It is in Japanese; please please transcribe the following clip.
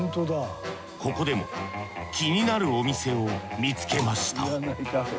ここでも気になるお店を見つけました。